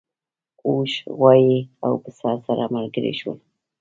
اوښ غوایی او پسه سره ملګري شول.